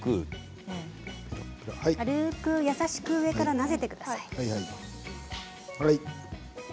軽く優しく上からなでてください。